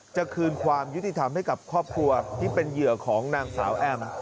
คืนความยุติธรรมให้กับครอบครัวที่เป็นเหยื่อของนางสาวแอม